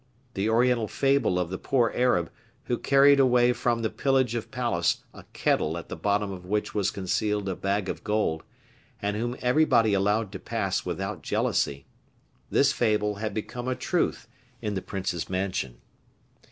The Oriental fable of the poor Arab who carried away from the pillage of palace a kettle at the bottom of which was concealed a bag of gold, and whom everybody allowed to pass without jealousy, this fable had become a truth in the prince's mansion.